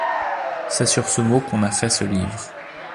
C’est sur ce mot qu’on a fait ce livre.